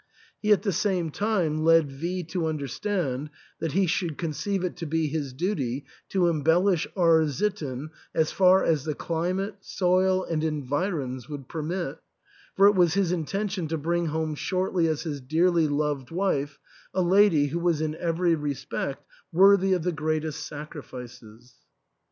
He at the same time led V to under stand that he should conceive it to be his duty to embellish R — sitten as far as the climate, soil, and environs would permit, for it was his intention to bring home shortly as his dearly loved wife a lady who was in every respect worthy of the greatest sacrifices.